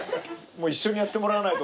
一緒にやってもらわないと。